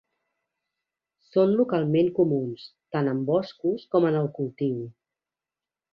Són localment comuns tant en boscos com en el cultiu.